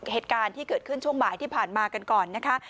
เหตุการณ์ที่เกิดขึ้นช่วงบ่ายที่ผ่านมากันก่อนนะคะ